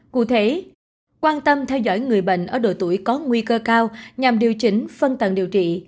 cụ thể quan tâm theo dõi người bệnh ở độ tuổi có nguy cơ cao nhằm điều chỉnh phân tầng điều trị